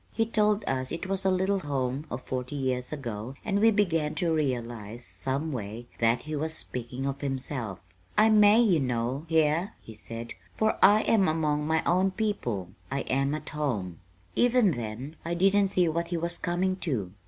He told us it was a little home of forty years ago, and we began to realize, some way, that he was speaking of himself. "I may, you know, here," he said, "for I am among my own people. I am at home." Even then I didn't see what he was coming to.